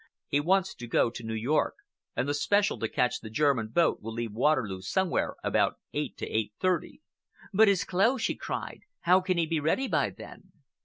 He wants to go to New York, and the special to catch the German boat will leave Waterloo somewhere about eight to eight thirty." "But his clothes!" she cried. "How can he be ready by then?"